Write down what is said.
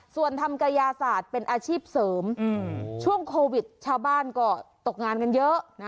ส่วนทำกระยาศาสตร์เป็นอาชีพเสริมช่วงโควิดชาวบ้านก็ตกงานกันเยอะ